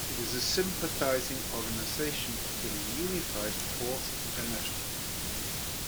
It is a sympathizing organization of the reunified Fourth International.